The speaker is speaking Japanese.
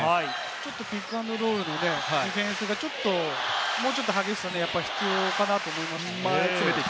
ちょっとピックアンドロールのディフェンスがもうちょっと激しさが必要かなと思います。